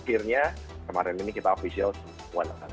akhirnya kemarin ini kita official satu a